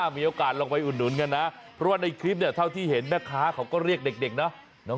มีโอกาสลองไปอุดหนุนกันนะเพราะว่าในคลิปเนี่ยเท่าที่เห็นแม่ค้าเขาก็เรียกเด็กเนาะ